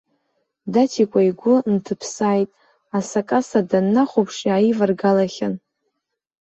Даҭикәа игәы нҭыԥсааит асакаса даннахәаԥш иааиваргалахьан.